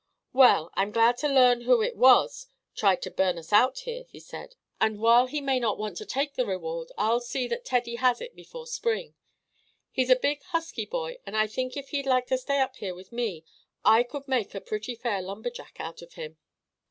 "Well, I'm glad to learn who it was tried to burn us out here," he said. "And while he may not want to take the reward I'll see that Teddy has it before spring. He's a big husky boy, and I think if he'd like to stay up here with me, I could make a pretty fair lumberjack out of him."